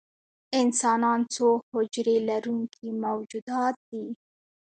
انسانان څو حجرې لرونکي موجودات دي